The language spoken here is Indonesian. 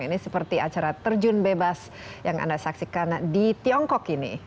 ini seperti acara terjun bebas yang anda saksikan di tiongkok ini